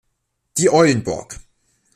Die Eulenburg.